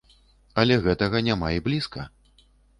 Але гэтага няма і блізка.